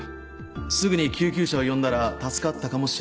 すぐに救急車を呼んだら助かったかもしれないんです。